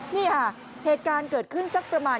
นี่ค่ะเหตุการณ์เกิดขึ้นสักประมาณ